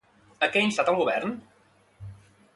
A què ha instat el govern?